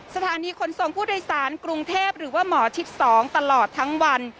สถานีขนส่งผู้โดยสารกรุงเทพหรือว่าหมอชิด๒ตลอดทั้งวัน